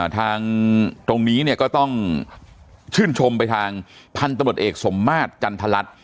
ทางตรงนี้เนี่ยก็ต้องชื่นชมไปทางพันธุ์ตำรวจเอกสมมาตรจันทรัศน